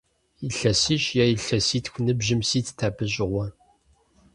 Илъэсищ е илъэситху ныбжьым ситт абы щыгъуэ.